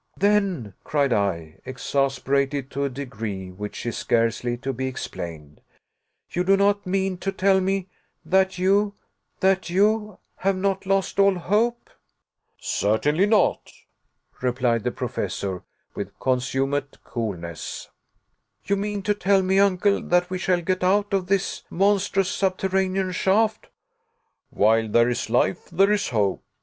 "Then," cried I, exasperated to a degree which is scarcely to be explained, "you do not mean to tell me that you that you have not lost all hope." "Certainly not," replied the Professor with consummate coolness. "You mean to tell me, Uncle, that we shall get out of this monstrous subterranean shaft?" "While there is life there is hope.